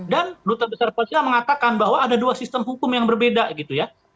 dan duta besar palestina mengatakan bahwa ada dua sistem hukum yang berbeda gitu ya